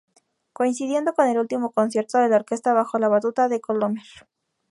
Coincidiendo con el último concierto de la orquesta bajo la batuta de Colomer.